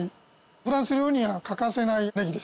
フランス料理には欠かせないネギです。